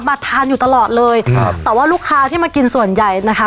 มาทานอยู่ตลอดเลยครับแต่ว่าลูกค้าที่มากินส่วนใหญ่นะคะ